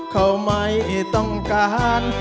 เขาไม่ต้องการ